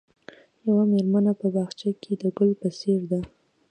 یوه مېرمنه په باغچه کې د ګل په څېر ده.